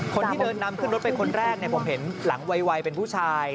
คนที่เดินนำเข้ารถไปคนแรกเนี่ยผมเห็นหลังวัยเป็นผู้ชาย